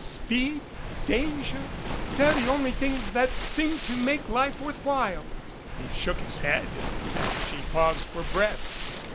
Speed danger they're the only things that seem to make life worth while." He shook his head as she paused for breath.